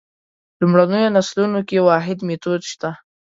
لومړنیو نسلونو کې واحد میتود شته.